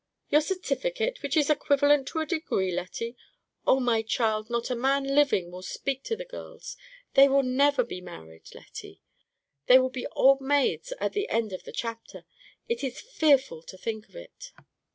"Your certificate, which is equivalent to a degree, Lettie! Oh, my child, not a man living will speak to the girls. They will never be married, Lettie; they will be old maids to the end of the chapter. It is fearful to think of it!"